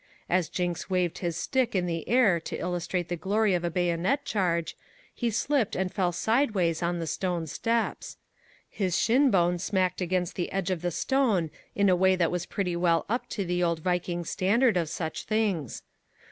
As Jinks waved his stick in the air to illustrate the glory of a bayonet charge, he slipped and fell sideways on the stone steps. His shin bone smacked against the edge of the stone in a way that was pretty well up to the old Viking standard of such things.